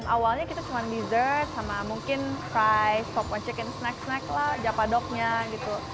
awalnya kita cuma dessert sama mungkin fries popcorn chicken snack snack lah japa dognya gitu